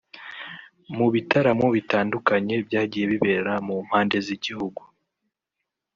Mu bitaramo bitandukanye byagiye bibera mu mpande z’igihugu